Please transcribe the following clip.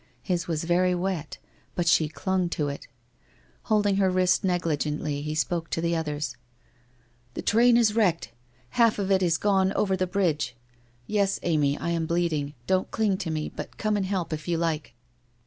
His was very wet, but she clung to it. Holding her wrist negligently, he spoke to the others. 'The train is wrecked. Half of it is gone over the bridge. Yes, Amy, I am bleeding. Don't cling to me, but come and help if you like.'